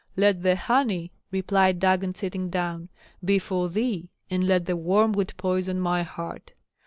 "Let the honey," replied Dagon, sitting down, "be for thee and let the wormwood poison my heart.